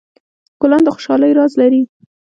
ګلان د خوشحالۍ راز لري.